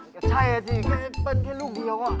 ใช่อะจริงเป็นแค่รูปเดียวอะ